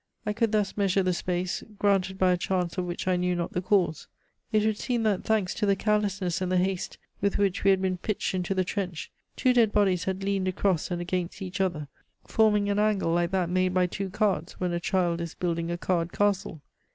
I could thus measure the space, granted by a chance of which I knew not the cause. It would seem that, thanks to the carelessness and the haste with which we had been pitched into the trench, two dead bodies had leaned across and against each other, forming an angle like that made by two cards when a child is building a card castle.